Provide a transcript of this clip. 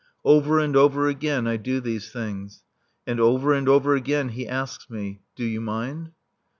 Over and over again I do these things. And over and over again he asks me, "Do you mind?"